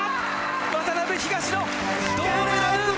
渡辺・東野、銅メダル。